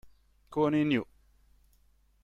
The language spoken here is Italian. Con i Neu!